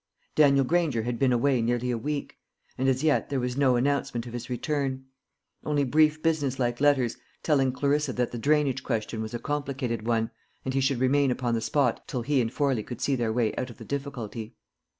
Daniel Granger had been away nearly a week; and as yet there was no announcement of his return; only brief business like letters, telling Clarissa that the drainage question was a complicated one, and he should remain upon the spot till he and Forley could see their way out of the difficulty.